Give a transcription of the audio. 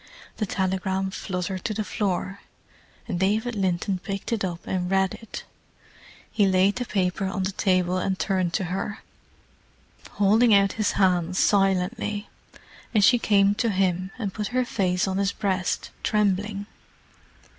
The telegram fluttered to the floor, and David Linton picked it up and read it. He laid the paper on the table and turned to her, holding out his hands silently, and she came to him and put her face on his breast, trembling.